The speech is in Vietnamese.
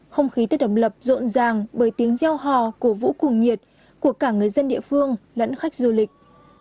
không khí tết độc lập rộn ràng bởi tiếng gieo hò cổ vũ cuồng nhiệt của cả người dân địa phương lẫn khách du lịch